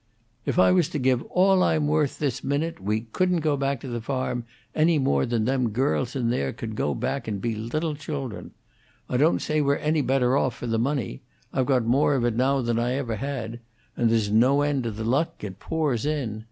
"If I was to give all I'm worth this minute, we couldn't go back to the farm, any more than them girls in there could go back and be little children. I don't say we're any better off, for the money. I've got more of it now than I ever had; and there's no end to the luck; it pours in.